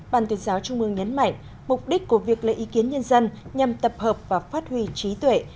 bàn tuyên giáo trung ương nhấn mạnh mục đích của việc lấy ý kiến nhân dân nhằm tập hợp và phát huy trí tuệ